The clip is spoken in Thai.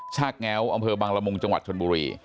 กแง้วอำเภอบังละมุงจังหวัดชนบุรี